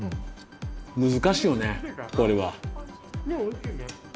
難しいよねこれは。